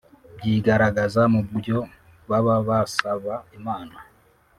byigaragaza mu byo baba basaba Imana